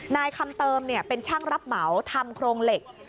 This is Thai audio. นายคำเติมเป็นช่างรับเหมาทำโครงเหล็ก